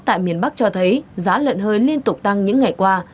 tại miền bắc cho thấy giá lợn hơi liên tục tăng những ngày qua